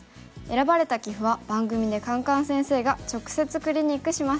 選ばれた棋譜は番組でカンカン先生が直接クリニックします。